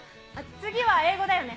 次は英語だよね。